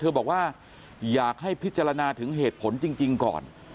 บอกว่าอยากให้พิจารณาถึงเหตุผลจริงก่อน